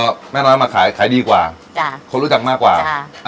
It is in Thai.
ก็แม่น้อยมาขายขายดีกว่าจ้ะคนรู้จักมากกว่าค่ะ